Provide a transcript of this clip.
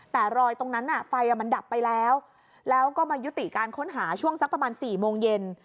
แต่รอยตรงนั้นไฟมันดับไปแล้วแล้วก็มายุติการค้นหาช่วงสักประมาณ๔โมงเย็น